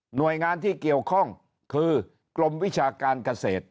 หน่วยงานที่เกี่ยวข้องคือกรมวิชาการเกษตร